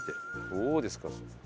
どうですか？